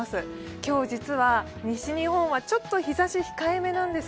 今日、実は西日本はちょっと日ざし控えめなんです。